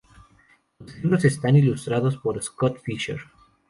Los libros están ilustrados por Scott Fischer.